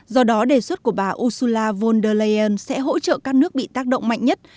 do đó đề xuất của bà ursula von der leyen sẽ hỗ trợ các nước bị tác động mạnh nhất